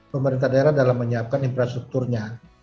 pemerintah daerah dalam menyiapkan infrastrukturnya